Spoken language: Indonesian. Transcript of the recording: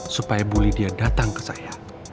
supaya bu lydia datang ke saya